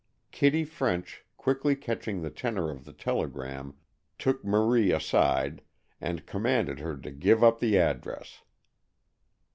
Kitty French, quickly catching the tenor of the telegram, took Marie aside, and commanded her to give up the address.